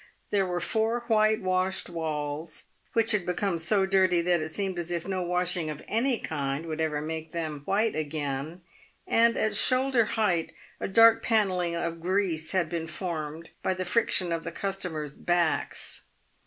There were four whitewashed walls, which had become so dirty that it seemed as if no washing of any kind would ever make them white again, and at shoulder height a dark panelling of grease had been formed by the friction of the customers' backs.